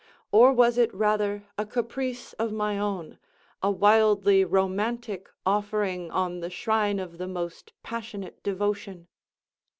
or was it rather a caprice of my own—a wildly romantic offering on the shrine of the most passionate devotion?